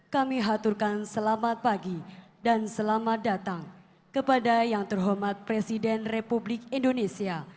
kami haturkan selamat pagi dan selamat datang kepada yang terhormat presiden republik indonesia